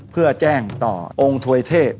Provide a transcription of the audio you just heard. เพื่อแจ้งต่อองค์ถวยเทพ